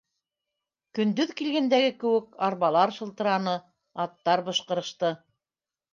Көндөҙ килгәндәге кеүек, арбалар шылтыраны, аттар бышҡырышты.